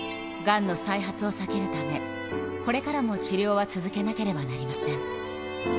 がんの再発を避けるため、これからも治療は続けなければなりません。